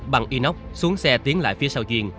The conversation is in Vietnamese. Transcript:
bằng inox xuống xe tiến lại phía sau duyên